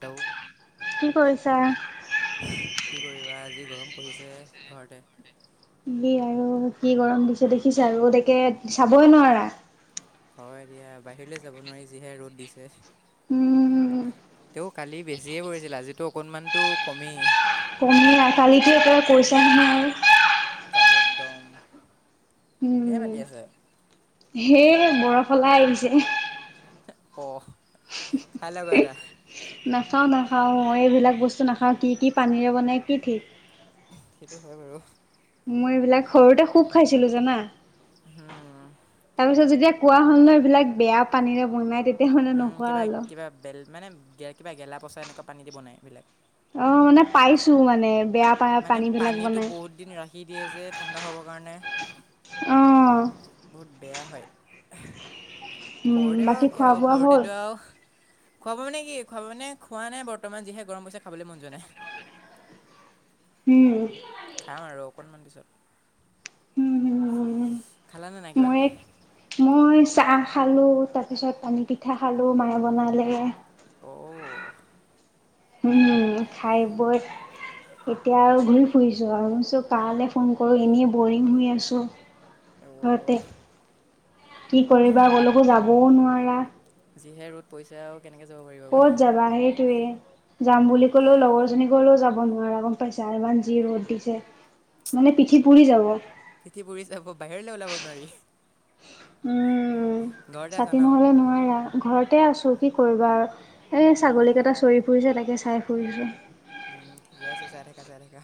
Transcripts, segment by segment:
তেওঁ কি কৰিছা? কি কৰিবা? আজি গৰম পৰিছে, ঘৰতে দি আৰু কি গৰম দিছে দেখিছা, ৰ'দ একে চাবই নোৱাৰা হয় দিয়া, বাহিৰলৈ যাব নোৱাৰি, যিহে ৰ'দ দিছে উম, তেওঁ কালি বেছিয়ে পৰিছিল, আজিটো অকণমানতো কমেই কালিটো একেবাৰে কৈছা নহয় আৰু কালি একদম, কিহে উম, মাতি আছে? সেই, বৰফৱালা আহিছে অ', খাই লোৱাগে এটা নাখাওঁ, নাখাওঁ, মই এইবিলাক বস্তু নাখাওঁ। কি, কি পানীৰে বনাই, কি ঠিক? সেইটো হয় বাৰু। মই এইবিলাক, সৰুতে খুব খাইছিলোঁ জানা। হম। তাৰপিছত, যেতিয়া কোৱা হ'ল নহয়, এইবিলাক বেয়া পানীৰে বনাই, তে উম, কিবা, কিবা বেল, মানে, কিবা গেলা-পচা এনেকুৱা পানী দি বনাই, এইবিলাক অ', মানে পাইছোঁ, মানে বেয়া পা মানে, পানীবিলাক পানীটো বনাই। বহুত দিন ৰাখি দিয়ে যে, ঠাণ্ডা হ'বৰ কাৰণে, অ' বহুত বেয়া হয় উম, সৰুতে বাৰু বাকী কি খোৱা আৰু, বোৱা হ'ল? সৰুতেতো আৰু খুৱাবানে কি খুৱাব মানে খোৱা নাই বৰ্তমান যিহে গৰম পৰিছে খাবলৈ মন যোৱা নাই। উম। খাম আৰু অকণমান পিছত। খালানে নাই কিবা মই এক মই চাহ খালো তাৰপিছত পানী পিঠা খালো মায়ে বনালে অ, উম খাই বৈ এতিয়া আৰু ঘূৰি ফুৰিছো আৰু নিছো কৈ ফোন কৰো এনেই বৰিং হৈ আছোঁ। অ' ঘৰতে কি কৰিবা ক'লেকো যাবও নোৱাৰা্। যিহে ৰ'দ পৰিছে কেনেকে যাব পাৰিবা? ক'ত জাবা হেই সেইয়া যাম বুলি ক'লেও লগৰ জনী কলেও যাব নোৱাৰে গম পাইছা ইমান যি ৰ'দ দিছে। মানে পিঠি পুৰি যাব। পিঠি পুৰি চাব বাহিৰলৈ ওলাব নোৱাৰি। উম ঘৰতে আছা ছাতি ন নহলে নোৱাৰা। ঘৰতে আছোঁ কি কৰিবা আৰু এই ছাগলীকেইটা চৰি ফুৰিছে তাকে চাই ফুৰিছোঁ। ঠিকে আছে চাই থাকা চাই থাকা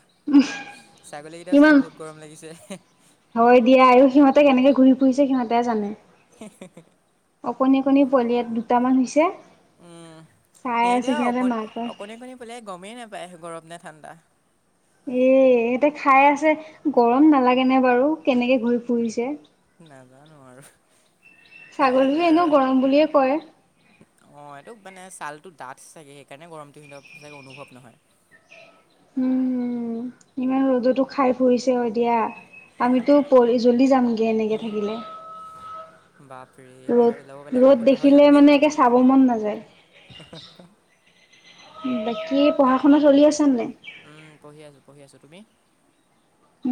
ছাগলীকেইটাও চাগে ইমান বহুত গৰম লাগিছে। হয় দিয়া আৰু সিহঁতে কেনেকে ঘূৰি ফুৰিছে সিহঁতে জানে আৰু হে হে অকণী অকণী পোৱালি দুটামান হৈছে। উম চাই আছে সেইটোৱেই সিহঁতে অকণি মাকক। অকণি পোৱালিয়ে গমেই নাপায় গৰম নে ঠাণ্ডা। এ, ইহঁতে খাই আছে গৰম নালাগে নে বাৰু কেনেকে ঘূৰি ফুৰিছে। নাজানোঁ আৰু খাই আছে ছাগলীটো আৰু এনেও গৰম বুলিয়ে কয়। উম, অ' এইটোতো মানে ছালটো ডাঠ চাগৈ সেইকাৰণে গৰমটো সি চাগে অনুভৱ নহয়। উম' উম' ইমান ৰ'দতো- খাই ফুৰিছে অ' এ দিয়া আমিতো জলি যামগৈ এনেকে থাকিলে। বাপৰে- বাহিৰত ওলাব ৰ'দ পেলাই ৰ'দ ক'লা হৈ যাম দেখিলে দেই মানে একে চাব মন নাযায়। বাকী পঢ়া শুনা চলি আছে নে নাই? উম' পঢ়ি আছোঁ, পঢ়ি আছোঁ তুমি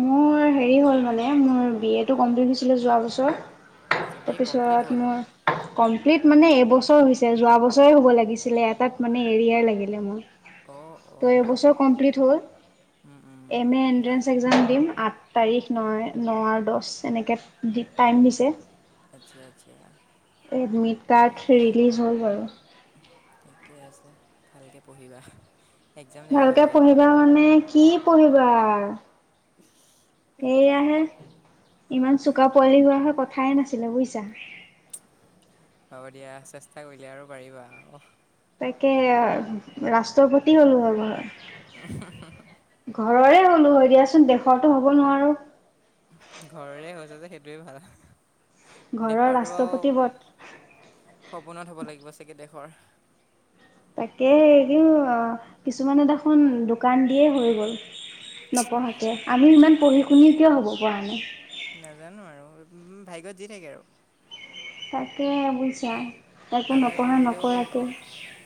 মোৰ হেৰি হ'ল মানে মোৰ বি এটো কমপ্লিট হৈছিলে যোৱা বছৰ আচ্ছা বি এ কমপ্লিট তাৰপিছত হ'ল মোৰ কমপ্লিট মানে এবছৰ হৈছে যোৱা বছৰে হ'ব লাগিছিলে এটাত মানে এৰিয়াৰ লাগিলে মোৰ। অ' অ'। এবছৰত কমপ্লিট হ'ল উম এনেই এনটেনস পৰীক্ষা এক্সাম দিম, আঠ তাৰিখ ন ন আৰু দহ এনেকৈ দি টাইম দিছে। আচ্ছা আচ্ছা। এডমিট কাৰ্ড ৰিলিজ হ'ল বাৰু ঠিকে আছে ভালকৈ পঢ়িবা। এক্সাম দিবা ভালকে ভালকৈ পঢ়িবা মানে কি পঢ়িবা? [inaudible] সেয়াহে ইমান চুকা পোৱালি হোৱা হয় কথাইে নাছিলে বুজিছা। হ'ব দিয়া চেষ্টা কৰিলে আৰু পাৰিবা অঁ। তাকে ৰাষ্ট্ৰপতি হ'বগৈ। [unintelligible] ঘৰৰে হলো হয় দিয়াচোন দেশৰতো হ'ব নোৱাৰোঁ। ঘৰৰে হৈছে যে সেইটোৱে ভাল ঘৰৰ দেশৰটো বাৰু ৰাষ্ট্ৰপতি পদ। সপোনত হ'ব লাগিব চাগে দেশৰ। তাকেহে, এটো কিছুমানত দেখোন দোকান দিয়ে হৈ গ'ল। নপঢ়াকে আমি ইমান পঢ়ি শুনি কিয় হ'ব পৰা নাই। নাজানোঁ আৰু ভাগ্যত যি থাকে আৰু। তাকেহে, বুইছা একো নপঢ়া নকৰাকে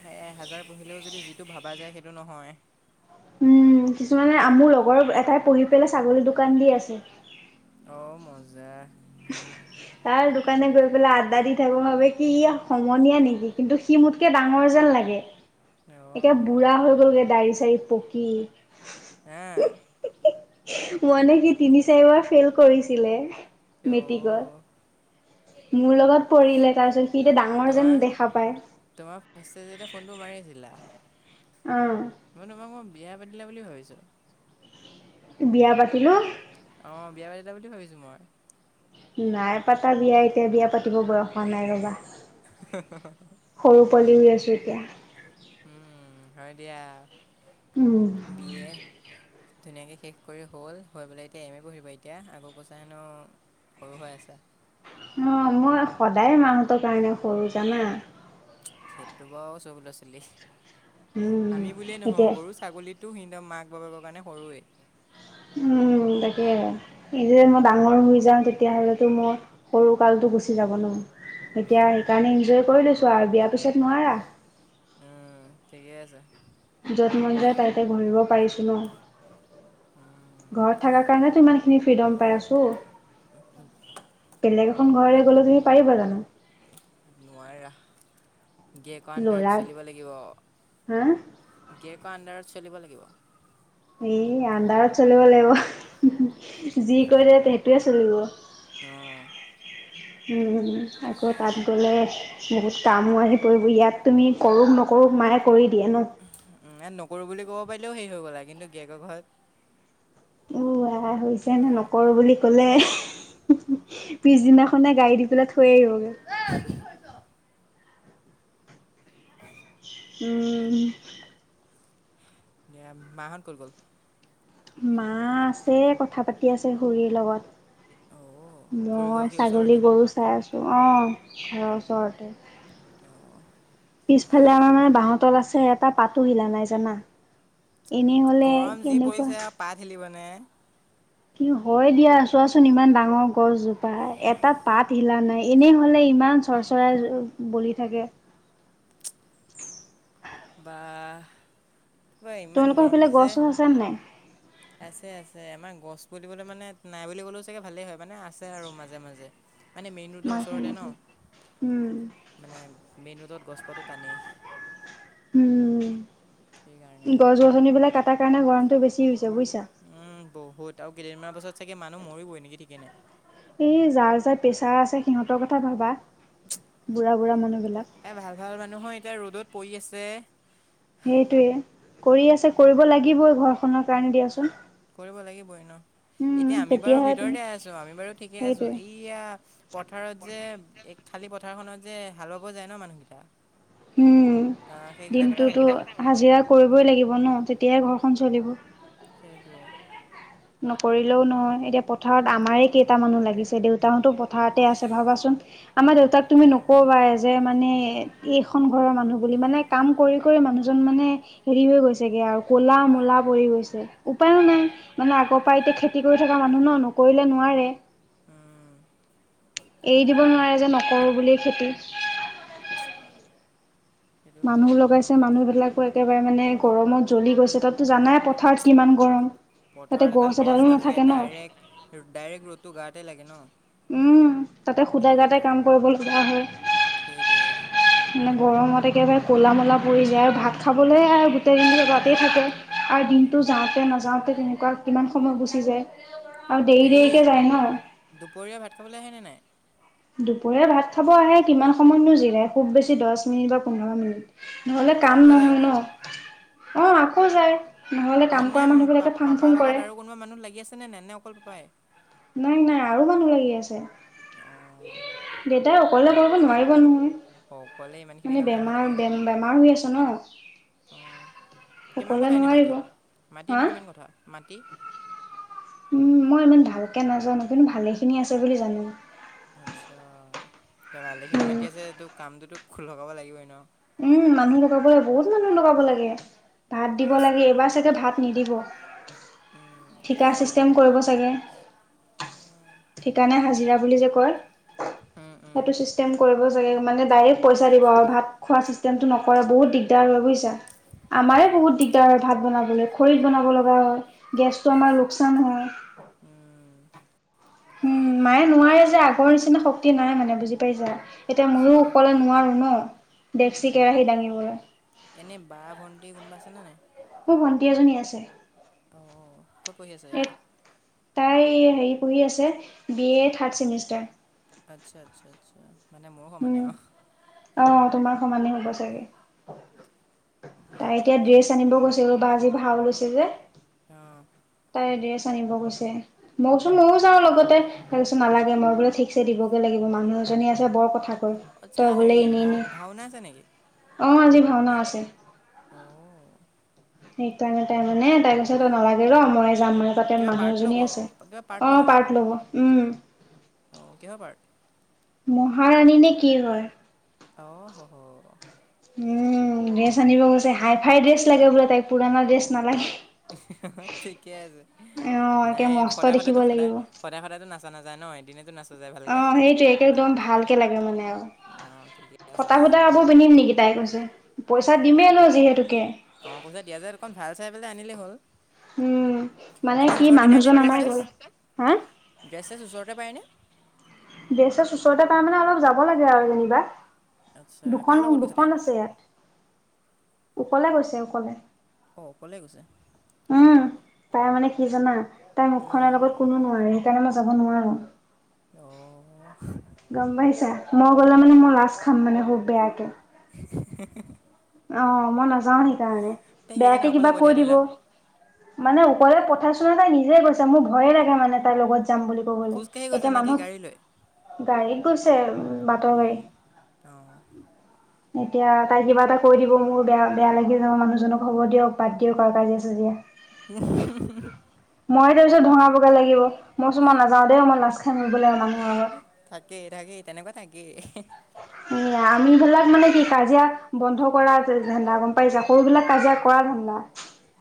সে এহেজাৰ পঢ়িলেও যদি যিটো ভাবা যায় সেইটো নহয়। উম' কিছুমানে মোৰ লগৰ এটাই পঢ়ি পেলাই ছাগলী দোকান দি আছে। অঁ মজা। [unintelligible] তাৰ দোকানলে গৈ পেলাই আড্ডা দি থাকো ভাবে কি ই সমনীয়া নিকি কিন্তু সি মোতকে ডাঙৰ যেন লাগে। অঁ একে বুঢ়া হৈ গ'লগে দাড়ি চাড়ি পকি। এ মানে কি তিনি চাৰিবাৰ ফেইল কৰিছিলে অ' মেট্ৰিকত। মোৰ লগত পঢ়িলে তাৰপিছত সি এতিয়া ডাঙৰ যেন তোমাৰ, দেখা পায়। তোমাৰ ফাৰ্ষ্ট যে যেতিয়া ফোনটো মাৰিছিলা। উম মানে ম মই বিয়া পাতিলা বুলি ভাবিছোঁ। বিয়া পাতিলোঁ। অ বিয়া পাতিলা বুলি ভাবিছো মই নাই পাতা বিয়া এতিয়া বিয়া পাতিব বয়স হোৱা নাই ৰবা [unintelligible] সৰু পোৱালি হৈ আছোঁ এতিয়া উম হয় দিয়া উম বি এ ধুনীয়াকে শেষ কৰি হ'ল হৈ পেলাই এতিয়া এম এ পঢ়িবা এতিয়া আক কৈছা হেনো সৰু হৈ আছা অঁ মই সদায় মাহঁতৰ কাৰণে সৰু জানা সেইটোতো বাৰু সব ল'ৰা ছোৱালী উম আমি বুলিয়ে নহয় এতিয়া গৰু ছাগলী টো নিজৰ মাক বাপেকৰ কাৰণে সৰুৱে উম তাকেহে ই যে মই ডাঙৰ হৈ যাওঁ তেতিয়া হলেতো মোৰ সৰু কালটো গুচি যাব ন এতিয়া সেইকাৰণে এনজয় কৰি লৈছো আ বিয়াৰ পিছত নোৱাৰা উম ঠিকে আছে য'ত মন যায় তাতেই ঘূৰিব পাৰিছোঁ ন উম, ঘৰত থকাৰ কাৰণে টো ইমানখিনি ফ্ৰীডম পাই আছো বেলেগ এখন ঘৰলে গ'লে তুমি পাৰিবা জানো নোৱাৰা গিৰেকৰ ল'ৰা আণ্ডাৰত চলিব লাগিব হা গিৰেকৰ আণ্ডাৰত চলিব লাগিব এ আণ্ডাৰত চলিব লাগিব যি কয় দিয়ে সেইটোৱে চলিব অঁ উম আকৌ তাত গ'লে বহুত কামো আহি পৰিব ইয়াত তুমি কৰোক নকৰোঁ মায়ে কৰি দিয়ে ন। উম, ইয়াত নকৰো বুলি ক'ব পাৰিলেও সেই হৈ গ'লা কিন্তু গিৰিয়েকৰ ঘৰত অ হৈছে নে নকৰোঁ বুলি ক'লে পিছদিনাখনে গাড়ী দি পেলাই থৈ আহিবগে। উম। এ মাঁ হঁত কত গ'ল? মাঁ আছে কথা পাতি আছে খুৰীৰ অ', লগত। খুৰীৰ ঘৰ মই কি ছাগলী ওচৰতে? গৰু চাই আছো অহ ঘৰৰ ওচৰতে। [unintelligible] পিছফালে আমাৰ মানে বাহঁতল আছে এটা পাতো হিলা নাই জানা? এনেই হলে গৰম যি কেনেকুৱা পৰিছে পাত হিলিব নে! কি হয় দিয়া চোৱাচোন ইমান ডাঙৰ গছজোপা এটা পাত হিলা নাই এনেই হলে ইমান চৰ চৰাই বলি থাকে। বাহঃ কিবা ইমান গৰম দিছে। ছা নাই? আছে আছে আমাৰ গছ বুলিবলৈ মানে নাই বুলি কলেও চাগে ভালে হয় মানে আছে আৰু মাজে মাজে। মানে মেইন ৰোডৰ মাৰ ওচৰতে ন, উম মানে মেইন ৰোডত গছপাটো টানেই। উম, সেইকাৰণে। গছ গছনিবিলাক কাটাৰ কাৰণে গৰমটো বেছি হৈছে বুজিছা! উম বহুত আৰু কেইদিনমান পাছত চাগে মানুহ মৰিবই নেকি ঠিকেই নাই। এই যাৰ যাৰ প্ৰেছাৰ আছে সিহঁতৰ কথা ভাবা, বুঢ়া বুঢ়া মানুহবিলাক। এ ভাল ভাল মানুহো এতিয়া ৰ'দত পৰি আছে। সেইটোৱে কৰি আছে কৰিব লাগিবই ঘৰখনৰ কাৰণে দিয়াচোন। কৰিব লাগিবই ন, উম, এতিয়া আমি বাৰু তেতিয়াহে তুমি ভিতৰতে আছো আমি বাৰু ঠিকে আছো, এই সেইটোৱে এতিয়া পথাৰত যে এক খালী পথাৰখনত যে হালা বাব যায় ন মানুহকেইটাই, উম, দিনটোতো ভাবা হাজিৰা কৰিবই লাগিব ন তেতিয়াহে ঘৰখন চলিব। সেইটোৱে। নকৰিলেও নহয় এতিয়া পথাৰত আমাৰে কেইটা মানুহ লাগিছে দেউতাহতো পথাৰতে আছে ভাবাচোন আমাৰ দেউতাক তুমি গৰম হয়। নকবাই যে মানে এইখন ঘৰৰ মানুহ বুলি মানে কাম কৰি কৰি মানুহজন মানে, হেৰি হৈ গৈছেগে আও কলা মলা পৰি গৈছে উপায়নো নাই। মানে আগৰ পা এতিয়া খেতি কৰি থকা মানুহ ন নকৰিলে নোৱাৰে। উম, এৰি সেইটো দিব হয় নোৱাৰে যে নকৰোঁ বুলি খেতি। সেইটো মানুহ হয় লগাইছে মানুহ বিলাকো একেবাৰে মানে গৰমত জ্বলি গৈছে তাতটো জানাই প থাৰত কিমান গৰম, তাতে পথাৰত এডাল গছ এডালো নাথাকে ন। ডাইৰেক্ট ডাইৰেক্ট ৰ'দটো গাতে লাগে ন। উম, তাতে সুদাই ঠিক গাতে কাম কৰিব লগা হয়। সেইটোৱে মানে গৰমত একেবাৰে ক'লা মলা পৰি যায় আৰু ভাত খাবলে হে আহে গোটেই দিনটো তাতেই থাকে। আৰু দিনটো যাওঁতে উম নাযাওঁতে তেনেকুৱা কিমান সময় গুচি যায়। আৰু দেৰি হেৰি দেৰিকে যায় ন দুপৰীয়া ভাত খাবলে আহে নে নাই? দুপৰীয়া ভাত খাব আহে কিমান সময়নো জিৰাই খুব বেছি দহ মিনিট বা পোন্ধৰ মিনিট। নহ'লে তাৰপিছত কাম আকৌ নহয় ন, যায়গৈ অ আকৌ যায়। নহ'লে কাম মানে কৰা পা মানুহবিলাকে ফাং পাপাৰ ফুং লগত কৰে। আৰু কোনোবা মানুহ লাগি আছে নে নাই, নে অকল পাপাই? নাই নাই আৰু মানুহ লাগি আছে। অ'। দেউতাই অকলে কৰিব নোৱাৰিব অকলে নহয়। ইমানখিনি মানে কাম বেমাৰ বে বেমাৰ হৈ আছে ন। অ', কিমান অকলে কঠা এনে নোৱাৰিব মাটি মাটি এনে হা কিমান কঠা মাটি? মই ইমান ভালকৈ নাজানো কিন্তু ভালেইখিনি আছে বুলি জানো। আচ্ছা এয়া ভালেখিনি মাটি আছে তোক কামটোতো খো লগাব লাগিবই ন। উম, মানুহ লগাব লাগ বহুত মানুহ লগাব লাগে। ভাত দিব লাগে এইবাৰ চাগে ভাত নিদিব। উম, এই ঠিকা এইবিলাক ছিষ্টেম কৰিব চাগে। ঠিকানে হাজিৰা বুলি যে কয় উম উম সেইটো চিষ্টেম কৰিব। মানে ডাইৰেক্ট পইচা দিব আৰু ভাত খোৱা চিষ্টেমটো নকৰে বহুত দিগদাৰ হয় বুজিছা। আমাৰে বহুত দিগদাৰ হয় ভাত বনাবলৈ খৰীত বনাব লগা হয় গেছটো উম আমাৰ লোকচান হয়। উম। উম, মায়ে নোৱাৰে যে আগৰ নিচিনা শক্তি নাই মানে বুজি পাইছা। এতিয়া ময়ো সেই- অকলে নোৱাৰোঁ ন ডেক্সি উম কেৰাহী দাঙিবলৈ। এনেই বা ভণ্টি কোনোবা আছেনে নাই? মোৰ ভণ্টি এজনী আছে। অ', ক'ত পঢ়ি আছে এ এইবাৰ? তাই হেৰি পঢ়ি আছে বি এ থাৰ্ড চেমিষ্টাৰ। আচ্ছা আচ্ছা আচ্ছা মানে মোৰ সমানে উম, আৰু। অ', তোমাৰ সমানেই হ'ব চাগে। [inaudible] তাই এতিয়া ঠিকে ড্ৰেছ আছে আনিব গৈছিলো বা আজি ভাও লৈছে যে। অ'। তাই ড্ৰেছ আনিব গৈছে মোকচোন ময়ো যাওঁ অঁ লগতে তাই নালাগে মই বোলে ঠিকছে দিবগৈ লাগিব মানুহ এজনী আছে বৰ কথা কয়। তই আচ্ছা বোলে হেৰি এনেই ভাও এনেই ভাওনা আছে নেকি? অ', আজি ভাওনা আছে। অ'। সেইকাৰণে তাই মানে তাই কৈছে নালাগে ৰ ময়ে যাম মানে। তাতে কিবা পাৰ্ট মানুহ ল'ব এজনী আছে কিবা অ' পাৰ্ট ল'ব উম। অ', কিহৰ পাৰ্ট? মহাৰাণী নে কি হয়। অহহ! উম, ড্ৰেছ আনিব গৈছে হাই ফাই ড্ৰেছ লাগে বোলে তাইক পুৰণা ড্ৰেছ নালাগে। ঠিকে আছে অ একে নাই মস্ত সদায় দেখিব সদায়টো সদায় লাগিব সদায় সদায়টো নাচা নাযা ন এদিনেটো নাচা যায় ভালকে অ', সেইটোৱে একে একদম ভালকে লাগে মানে আৰু। অঁ ঠিকে আছে ফটা ফুটা কাপোৰ পিন্ধিম নেকি তাই কৈছে। পইচা দিমেই ন যিহেতুকে। অ', পইচা দিয়া যায় অকণ ভাল চাই আনিলেই হ'ল। উম মানে এনে কি ওচৰতে পায়নে মানুহজন ড্ৰেছ আমাৰ চেছ, গ'ল হা ড্ৰেছ চেছ ওচৰতে পায়নে? ড্ৰেছ চেছ ওচৰতে পাই মানে অলপ যাব লাগে আৰু যেনিবা। আচ্ছা দুখন কাৰ লগত গৈছে দুখন তাই আছে ইয়াত অকলে গৈছে অকলে। অ', অকলে গৈছে! উম, তাই মানে কি জানা তাই উম, মুখখনৰ লগত কোনো নোৱাৰে সেইকাৰণে মই যাব নোৱাৰো। অ'। গম পাইছা, মই গ'লে মানে মই লাজ খাম মানে খুব বেয়াকে। [unintelligible] অ' মই নাযাও সেইকাৰণে, তাই সেইকাৰণে বেয়াকে অকলে কিবা পঠিয়াই কৈ দিব। দিলা মানে ওকলে পঠাইছেনে তাই নিজে গৈছে, মোৰ ভয়ে লাগে মানে তাইৰ লগত যাম বুলি কবলে, খোজকাঢ়ি গৈছে এতিয়া নেকি মানুহক গাড়ী লৈ গাড়ীত গৈছে উ বাটৰ গাড়ী। অঁ অঁ এতিয়া তাই কিবা এটা কৈ দিব মোৰ বেয়া বেয়া লাগি যাব মানুহজনক খবৰ দিয়ক বাদ দিয়ক আৰু কাজিয়া চাজিয়া। [unintelligible] মই তাৰ পিছত ধঙাবগে লাগিব, মই কৈছো মই নাযাও দেই মই লাচ খাই [unintelligible] মানুহৰ আগত। থাকেই থাকেই তেনেকুৱা থাকেই। আমি বিলাক মানে কি কাজিয়া বন্ধ কৰা ধা গম পাইছা সৰু বিলাক কাজিয়া কৰা ধান্দা,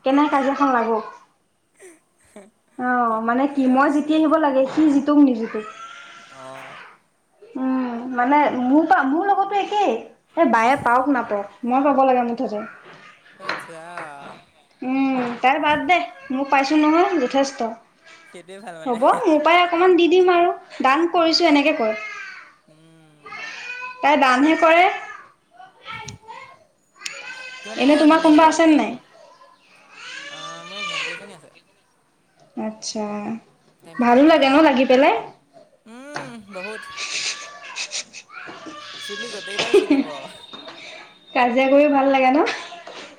কেনেকে কাজিয়া খন লাগো। [unintelligible] অ' মানে ঠিকে কি মই জিতি আছে আহিব লাগে সি [unintelligible] অঁ। উম মানে মোৰ মোৰ লগতো একেই এই বায়ে পাওক নাপাওক। মই পাব লাগে মুঠতে। [unintelligible] উম, তাৰ বাদ দে মোক পাইছো নহয় যথেষ্ট। সেইটোৱে ভাল মানে হ'ব মোৰ পৰাই অকমান দি দিম আৰু দান উম, কৰিছো এনেকে কয়। উম। তাই দানহে কৰে। কিয়নো এনে তোমাৰ এনে কোনোবা যোৱা, আছেনে নাই অ' মোৰ ভণ্টি এজনী আছে। আচ্ছা, তাই ভালো মেট্ৰিক দিব লাগে ন এবাৰ মানে লাগি পেলাই। উম, বহুত চুলি গোটেইকেইডাল চিগিব। কাজিয়া কৰিও ভাল লাগে ন?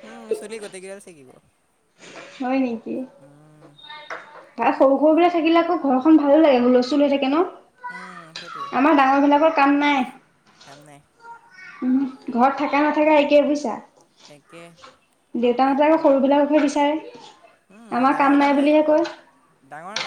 উম, চুলি গোটেইকেইডাল চিগিব। হয় নেকি? তাই সৰু সৰু বিলাক থাকিলে আকৌ ঘৰখন ভালো লাগে হুলস্থুল হৈ থাকে ন। উম সেইটোৱে আমাৰ ডাঙৰ বিলাকৰ কাম নাই। কাম নাই উম, ঘৰত থাকা নাথাকা একে বুইছা। একে। দেউতাহঁতে আকৌ সৰু বিলাকহে বিচাৰে আমাৰ কাম নাই বুলিহে কয়। ডাঙৰ কাম